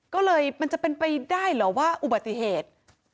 ก็เลยมันจะเป็นไปได้เหรอว่าอุบัติเหตุ